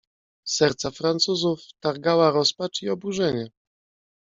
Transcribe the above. "Serca Francuzów targała rozpacz i oburzenie."